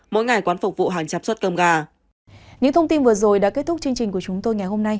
mỗi ngày quán phục vụ hàng chắp suất cơm gà